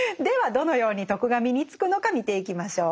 どのように「徳」が身につくのか見ていきましょう。